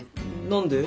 何で？